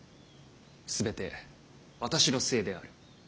全て私のせいである。